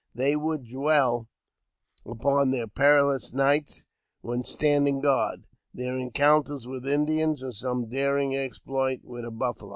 They would dwell upon their perilous nights when standing guard; their en counters with Indians, or some daring exploit, with a buffalo.